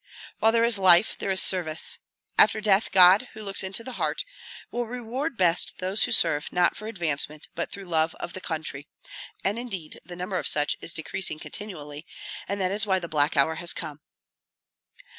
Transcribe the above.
While there is life there is service. After death God, who looks into the heart, will reward best those who serve not for advancement, but through love of the country; and indeed the number of such is decreasing continually, and that is why the black hour has come."